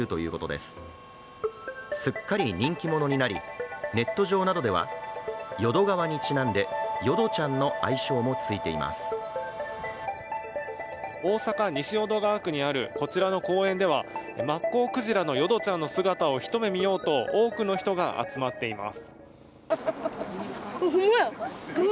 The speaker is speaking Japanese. すっかり人気者になり、ネット上などでは、淀川にちなんで大阪・西淀川区にあるこちらの公園ではマッコウクジラのヨドちゃんの姿を一目見ようと多くの人が集まっています。